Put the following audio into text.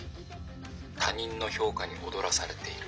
他人の評価に踊らされている」。